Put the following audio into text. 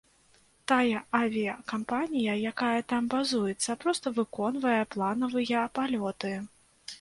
Тая авіякампанія, якая там базуецца, проста выконвае планавыя палёты.